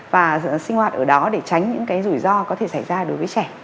và sinh hoạt ở đó để tránh những cái rủi ro có thể xảy ra đối với trẻ